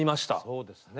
そうですね。